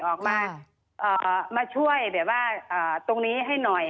ออกมาช่วยตรงนี้ให้หน่อย